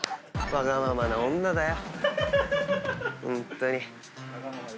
わがままな女だよ。